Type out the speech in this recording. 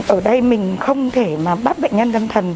ở đây mình không thể mà bắt bệnh nhân tâm thần